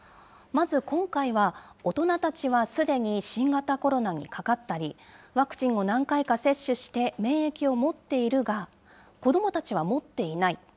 まず今回は、大人たちはすでに新型コロナにかかったり、ワクチンを何回か接種して免疫を持っているが、子どもたちは持っていない。